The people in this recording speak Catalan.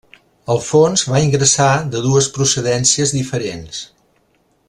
El fons va ingressar de dues procedències diferents.